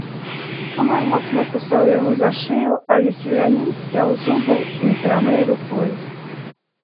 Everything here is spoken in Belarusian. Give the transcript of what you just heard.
Камар моцна кусаў яго за шыю, але селянін сцяў зубы, не крануў рукой.